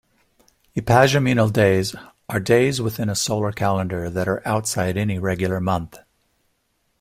Epagomenal days are days within a solar calendar that are outside any regular month.